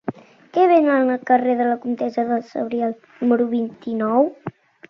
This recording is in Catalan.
Què venen al carrer de la Comtessa de Sobradiel número vint-i-nou?